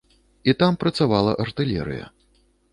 І там працавала артылерыя.